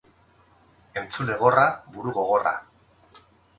Entzule gorra, buru gogorra